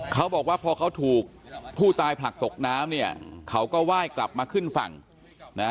เขาบอกว่าพอเขาถูกผู้ตายผลักตกน้ำเนี่ยเขาก็ไหว้กลับมาขึ้นฝั่งนะ